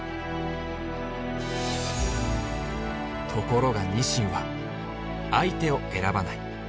ところがニシンは相手を選ばない。